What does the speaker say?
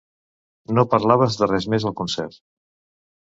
No parlaves de res més al concert.